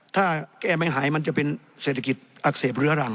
ถ้าแก้ไม่หายมันจะเป็นเศรษฐกิจอักเสบเรื้อรัง